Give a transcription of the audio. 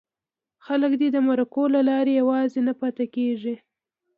خلک دې د مرکو له لارې یوازې نه پاتې کېږي.